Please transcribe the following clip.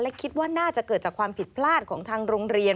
และคิดว่าน่าจะเกิดจากความผิดพลาดของทางโรงเรียน